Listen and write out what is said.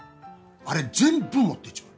あれ全部持ってっちまう。